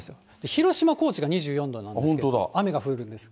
広島、高知が２４度なんですけど、雨が降るんです。